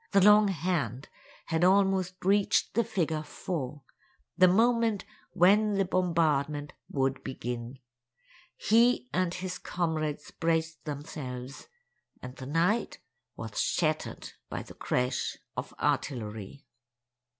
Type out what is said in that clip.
The long hand had almost reached the figure 4—the moment when the bombardment would begin. He and his comrades braced themselves—and the night was shattered by the crash of artillery.